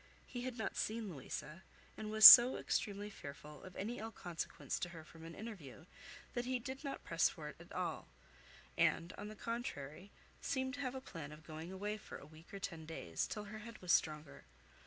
He had not seen Louisa; and was so extremely fearful of any ill consequence to her from an interview, that he did not press for it at all; and, on the contrary, seemed to have a plan of going away for a week or ten days, till her head was stronger.